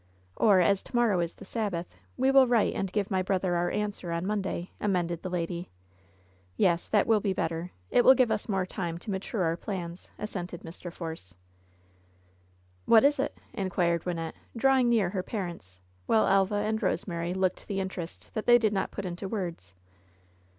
^' "Or, as to morrow is the Sabbath, we will write and give my brother our answer on Monday," amended the lady. "Yes, that will be better. It will give us more time to mature our plans," assented Mr. Force, "What is it ?" inquired Wynnette, drawing near her parents, while Elva and Eosemary looked the interest that they did not put into words.